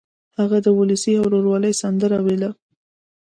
هغه د سولې او ورورولۍ سندره ویله.